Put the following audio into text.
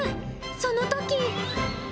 そのとき。